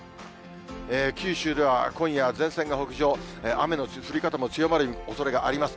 九州では今夜、前線が北上、雨の降り方も強まるおそれがあります。